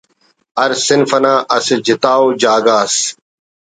ہر صنف انا اسہ جتا ءُ جاگہ اس